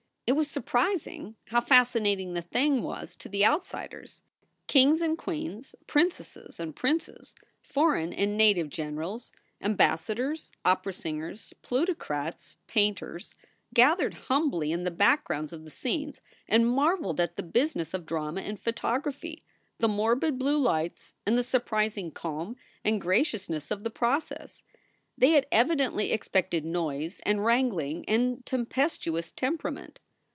It was surprising how fascinating the thing was to the outsiders. Kings and queens, princesses and princes, foreign and native generals, ambassadors, opera singers, plutocrats, painters, gathered humbly in the backgrounds of the scenes and marveled at the business of drama and photography, the morbid blue lights and the surprising calm and gracious ness of the process. They had evidently expected noise and wrangling and tempestuous temperament.